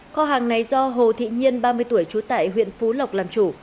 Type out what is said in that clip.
kho hàng này do hồ thị nhiên ba mươi tuổi trú tại huyện phú lộc làm chủ